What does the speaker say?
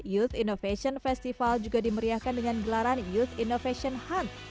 youth innovation festival juga dimeriahkan dengan gelaran youth innovation hunt